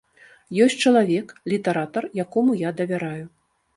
Ёсць чалавек, літаратар, якому я давяраю.